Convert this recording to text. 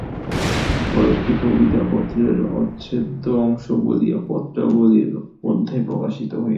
কয়েকটি কবিতা পত্রের অচ্ছেদ্য অংশ বলিয়া পত্রাবলীর মধ্যেই প্রকাশিত হইয়াছে।